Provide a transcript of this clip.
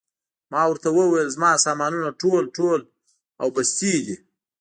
ما ورته وویل: زما سامانونه ټول، ټول او بستې دي.